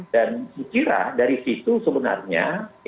dan kira dari situ sebenarnya